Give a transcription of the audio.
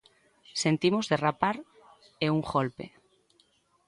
Sentimos derrapar e un golpe.